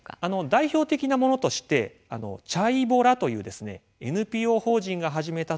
代表的なものとしてチャイボラというＮＰＯ法人が始めた取り組みがあります。